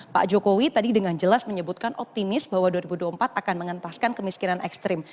pak jokowi tadi dengan jelas menyebutkan optimis bahwa dua ribu dua puluh empat akan mengentaskan kemiskinan ekstrim